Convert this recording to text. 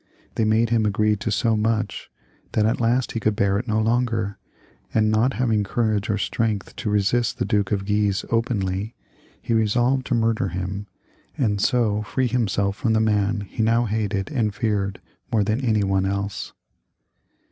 They made him agree to so much, that at last he could bear it no longer, and not having courage or strength to resist the Duke of Guise openly, he resolved to murder him, and so free himself from the man he now hated and feared more than any one else.